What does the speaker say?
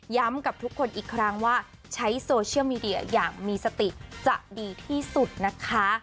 กับทุกคนอีกครั้งว่าใช้โซเชียลมีเดียอย่างมีสติจะดีที่สุดนะคะ